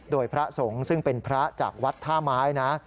โดยพระสงฆ์ซึ่งเป็นพระจากวัดท่าไม้นะ